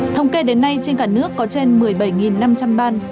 thống kê đến nay trên cả nước có trên một mươi bảy năm trăm linh ban